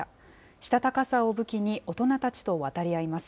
したたかさを武器に大人たちと渡り合います。